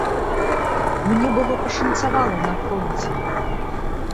Мне было пашанцавала на фронце.